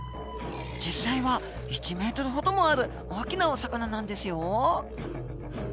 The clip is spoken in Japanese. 実際は１ｍほどもある大きなお魚なんですよ。